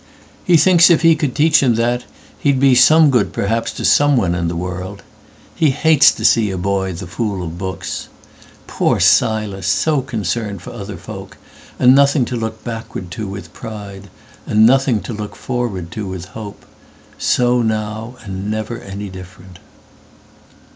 "He thinks if he could teach him that, he'd beSome good perhaps to someone in the world. He hates to see a boy the fool of books. Poor Silas, so concerned for other folk, And nothing to look backward to with pride, And nothing to look forward to with hope, So now and never any different."